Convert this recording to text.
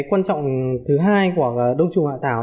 quan trọng thứ hai của đông trùng hạ thảo